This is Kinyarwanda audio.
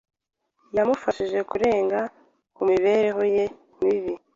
Yamufashije kurenga ku mibereho ye mibi.